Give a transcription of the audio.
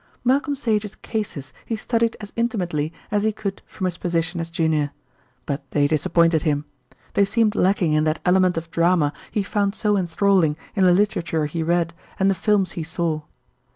Malcolm Sage's "cases" he studied as intimately as he could from his position as junior; but they disappointed him. They seemed lacking in that element of drama he found so enthralling in the literature he read and the films he saw.